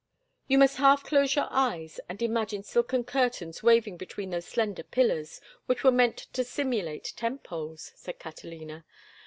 "You must half close your eyes and imagine silken curtains waving between those slender pillars, which were meant to simulate tent poles," said Catalina.